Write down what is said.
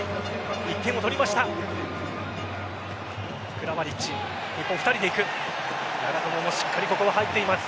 １点を取りました。